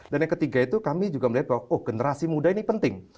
dan yang ketiga itu kami juga melihat bahwa oh generasi muda ini penting